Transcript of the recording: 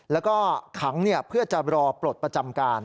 แล้วก็ขังเพื่อจะรอปลดประจำการ